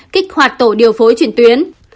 kích hoạt tổ điều phối chuyển tuyến